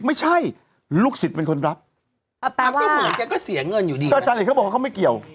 ไม่ใช่ลูกศิษย์เป็นคนรักแปลว่าเขาบอกว่าเขาไม่เกี่ยว